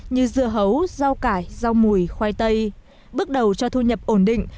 như dưa hấu rau cải rau mùi khoai tây bước đầu cho thu nhập ổn định